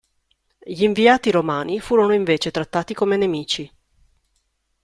Gli inviati romani furono invece trattati come nemici.